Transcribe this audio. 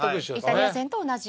イタリア戦と同じ。